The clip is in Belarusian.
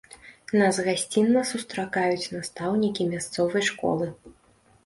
Нас гасцінна сустракаюць настаўнікі мясцовай школы.